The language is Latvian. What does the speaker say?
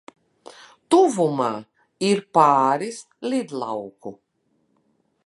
Tuvumā ir pāris lidlauku.